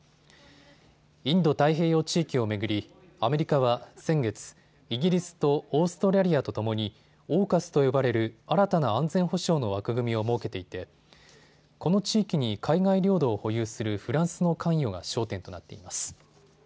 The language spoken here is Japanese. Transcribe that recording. インド太平洋地域を巡りアメリカは先月、イギリスとオーストラリアとともにＡＵＫＵＳと呼ばれる新たな安全保障の枠組みを設けていてこの地域に海外領土を保有するフランスの関与が焦点となっています。